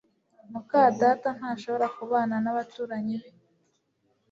muka data ntashobora kubana nabaturanyi be